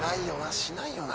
しないよな？